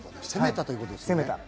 攻めたということですね。